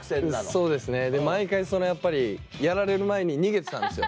そうですね毎回やっぱりやられる前に逃げてたんですよ。